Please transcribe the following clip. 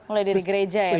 mulai dari gereja ya